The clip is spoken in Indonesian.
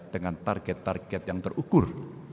dengan target target yang terukur